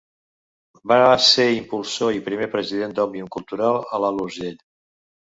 Va ser impulsor i primer president d'Òmnium Cultural a l'Alt Urgell.